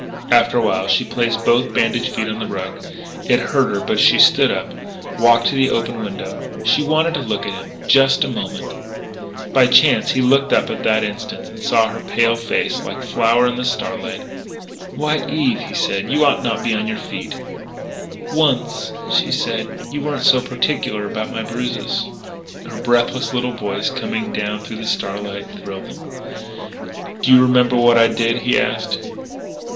After a while she placed both bandaged feet on the rug. It hurt her, but she stood up, walked to the open window. She wanted to look at him just a moment By chance he looked up at that instant, and saw her pale face, like a flower in the starlight. "Why, Eve," he said, "you ought not to be on your feet." "Once," she said, "you weren't so particular about my bruises." Her breathless little voice coming down through the starlight thrilled him. "Do you remember what I did?" he asked.